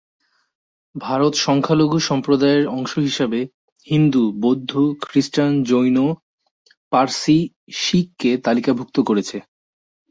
ভারত সংখ্যালঘু সম্প্রদায়ের অংশ হিসেবে হিন্দু-বৌদ্ধ-খ্রিস্টান-জৈন-পার্সি-শিখ কে তালিকাভুক্ত করেছে।